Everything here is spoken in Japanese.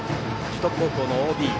樹徳高校のＯＢ。